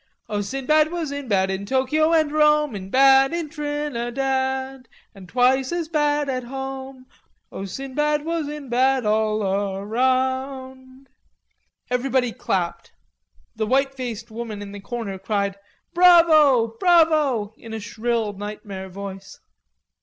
"O, Sinbad was in bad in Tokio and Rome, In bad in Trinidad And twice as bad at home, O, Sinbad was in bad all around!" Everybody clapped. The white faced woman in the corner cried "Bravo, Bravo," in a shrill nightmare voice.